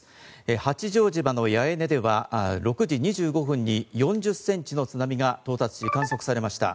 八丈島の八重根では６時２５分に４０センチの津波が到達し観測されました。